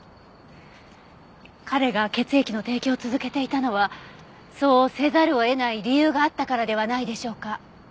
彼が血液の提供を続けていたのはそうせざるを得ない理由があったからではないでしょうか？